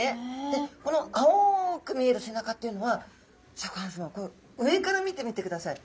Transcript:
でこの青く見える背中っていうのはシャーク香音さま上から見てみてください。